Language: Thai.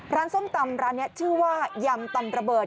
ส้มตำร้านนี้ชื่อว่ายำตำระเบิด